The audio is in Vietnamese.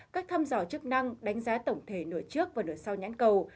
các thăm dò chức năng đánh giá tổng thể nửa trước và nửa sau nhãn cầu